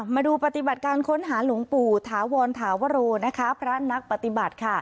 มาดูปฏิบัติการค้นหาหลวงปู่ถาวรถาวโรนะคะพระนักปฏิบัติ